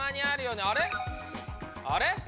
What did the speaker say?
あれ？